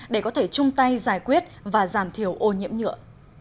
để có thể chung tay giải quyết và giảm thiểu ô nhiễm nhựa